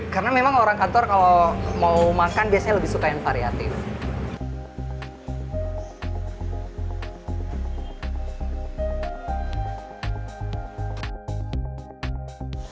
karena memang orang kantor kalau mau makan biasanya lebih suka yang variatif